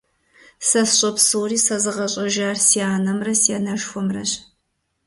Сэ сщӀэ псори сэзыгъэщӀэжар си анэмрэ, си анэшхуэмрэщ.